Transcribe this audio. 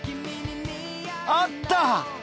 あった！